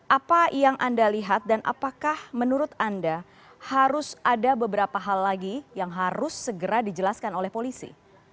apa yang anda lihat dan apakah menurut anda harus ada beberapa hal lagi yang harus segera dijelaskan oleh polisi